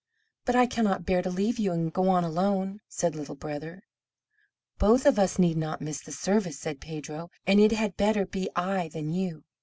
"But I cannot bear to leave you, and go on alone," said Little Brother. "Both of us need not miss the service," said Pedro, "and it had better be I than you.